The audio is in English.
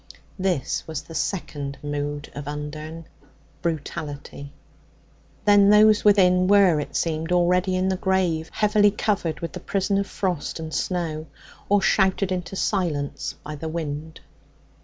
This was the second mood of Undern brutality. Then those within were, it seemed, already in the grave, heavily covered with the prison of frost and snow, or shouted into silence by the wind.